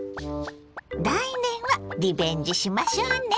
来年はリベンジしましょうね。